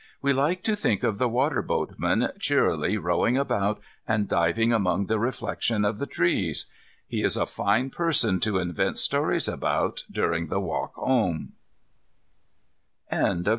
We like to think of the water boatman cheerily rowing about and diving among the reflections of the trees. He is a fine person to invent stories about during the walk home.